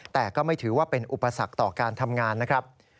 แต่ก็ไม่ถือว่าเป็นอุปสรรคต่อการทำงานนะครับ